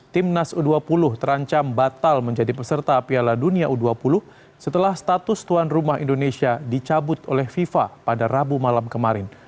timnas u dua puluh terancam batal menjadi peserta piala dunia u dua puluh setelah status tuan rumah indonesia dicabut oleh fifa pada rabu malam kemarin